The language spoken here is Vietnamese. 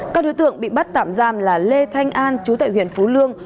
các đối tượng bị bắt tạm giam là lê thanh an chú tại huyện phú lương